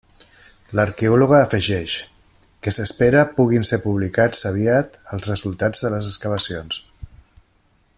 L'arqueòloga afegeix, que s'espera puguin ser publicats aviat els resultats de les excavacions.